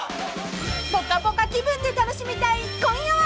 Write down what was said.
［ぽかぽか気分で楽しみたい今夜は！］